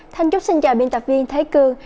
thanh trúc xin chào biên tập viên thế cương